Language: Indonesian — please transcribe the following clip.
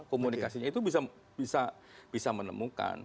komunikasinya itu bisa menemukan